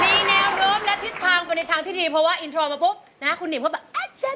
มีแนวรวมและพิดพังผนิตทางที่ดีเพราะว่าแล้วอินโทรมาพบคุณนิ้มเค้าเป็น